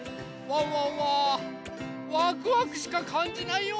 ワンワンはワクワクしかかんじないよ！